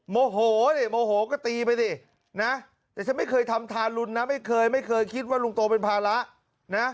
โมโหดิโมโหก็ตีไปสินะแต่ฉันไม่เคยทำทารุณนะไม่เคยไม่เคยคิดว่าลุงโตเป็นภาระนะ